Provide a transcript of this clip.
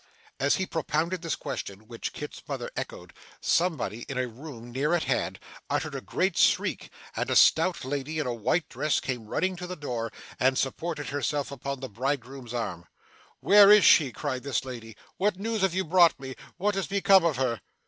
As he propounded this question, which Kit's mother echoed, somebody in a room near at hand, uttered a great shriek, and a stout lady in a white dress came running to the door, and supported herself upon the bridegroom's arm. 'Where is she!' cried this lady. 'What news have you brought me? What has become of her?